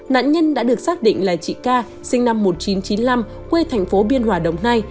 nạn nhân đã được xác định là chị ca sinh năm một nghìn chín trăm chín mươi năm quê thành phố biên hòa đồng nai